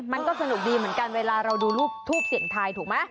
มันก็สนุกดีเหมือนกันเวลาเราดูรูปทูปเสียงทายถูกไหม